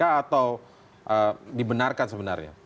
atau dibenarkan sebenarnya